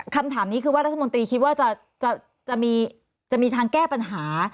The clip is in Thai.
คำถามนี้คือว่ารัฐมนตรีคิดว่าจะมีทางแก้ปัญหา